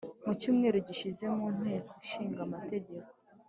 mu cyumweru gishize mu nteko ishinga amategeko,